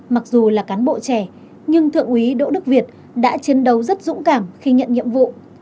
mặc dù là cán bộ trẻ nhưng thượng úy đỗ đức việt đã chiến đấu rất dũng cảm khi nhận nhiệm vụ